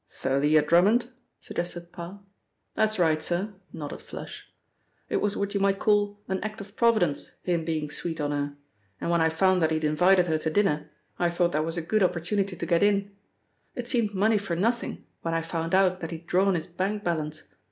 "Thalia Drummond?" suggested Parr. "That's right, sir," nodded 'Flush'. "It was what you might call an act of Providence, him being sweet on her, and when I found that he'd invited her to dinner, I thought that was a good opportunity to get in. It seemed money for nothing when I found out that he'd drawn his bank balance.